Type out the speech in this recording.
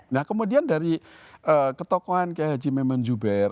nah kemudian dari ketokohan kayi haji memon juber